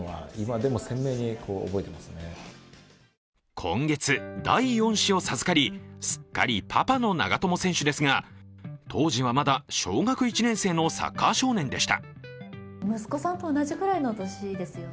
今月、第４子を授かりすっかりパパの長友選手ですが、当時はまだ、小学１年生のサッカー少年でした。